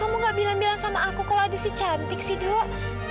kamu gak bilang bilang sama aku kalau ada sih cantik sih dok